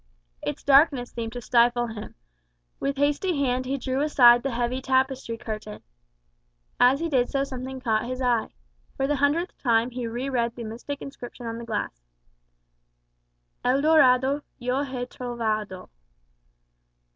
Its darkness seemed to stifle him; with hasty hand he drew aside the heavy tapestry curtain. As he did so something caught his eye. For the hundredth time he re read the mystic inscription on the glass: "El Dorado Yo hé trovado."